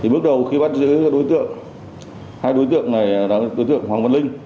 bước đầu khi bắt giữ đối tượng hai đối tượng này là đối tượng hoàng văn linh